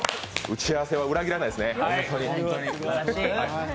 打ち合わせは裏切らないですね。